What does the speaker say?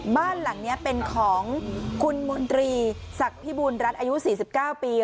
บ้านหลังนี้เป็นของคุณมนตรีศักดิ์พิบูรณรัฐอายุ๔๙ปี